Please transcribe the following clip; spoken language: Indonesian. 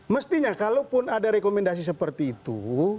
mestinya kalaupun ada rekomendasi seperti itu